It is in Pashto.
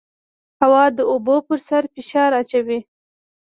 هوا د اوبو پر سر فشار اچوي.